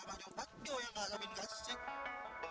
malah pak jok pak jok yang ngasemin kasik